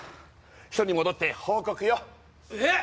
署に戻って報告よえっ